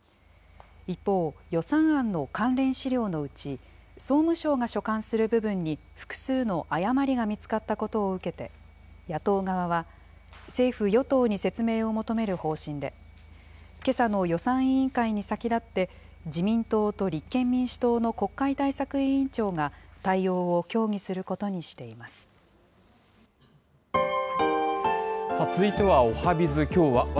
一方、予算案の関連資料のうち、総務省が所管する部分に複数の誤りが見つかったことを受けて、野党側は、政府・与党に説明を求める方針で、けさの予算委員会に先立って、自民党と立憲民主党の国会対策委員長が対応を協議することにしてさあ、続いてはおはＢｉｚ。